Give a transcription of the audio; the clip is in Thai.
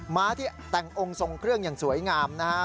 ม้าที่แต่งองค์ทรงเครื่องอย่างสวยงามนะฮะ